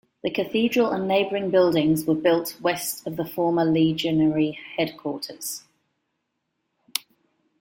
The cathedral and neighbouring buildings were built west of the former legionary headquarters.